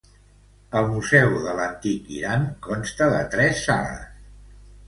El Museu de l'Antic Iran consta de tres sales.